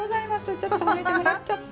ちょっと褒めてもらっちゃった。